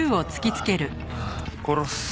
殺す。